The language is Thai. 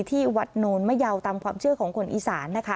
ที่วัดโนนมะเยาตามความเชื่อของคนอีสานนะคะ